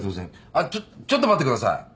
あっちょっちょっと待ってください。